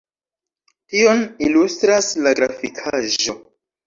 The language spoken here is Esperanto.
Tion ilustras la grafikaĵo.